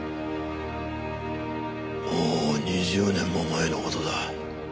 もう２０年も前の事だ。